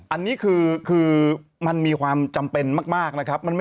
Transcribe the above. อันนี้คือมันมีความจำเป็นมากนะครับ